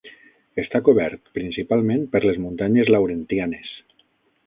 Està cobert principalment per les muntanyes Laurentianes.